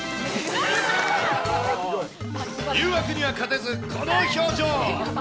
誘惑には勝てず、この表情。